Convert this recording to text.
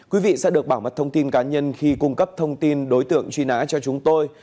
quý vị sẽ được bảo mật thông tin cá nhân khi cung cấp thông tin đối tượng truy nã cho chúng tôi